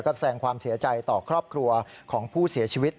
ก็แสงความเสียใจต่อครอบครัวของผู้เสียชีวิต